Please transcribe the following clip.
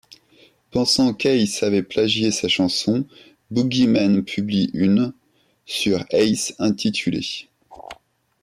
Pensant qu'Ace avait plagié sa chanson, Boogieman publie une ' sur Ace intitulée '.